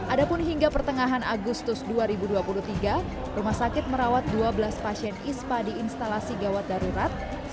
adapun hingga pertengahan agustus dua ribu dua puluh tiga rumah sakit merawat dua belas pasien ispa di instalasi gawat darurat